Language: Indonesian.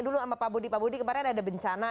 dulu sama pak budi pak budi kemarin ada bencana